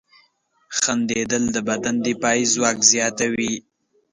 • خندېدل د بدن دفاعي ځواک زیاتوي.